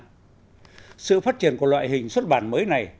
tuy nhiên sự phát triển của loại hình xuất bản mới này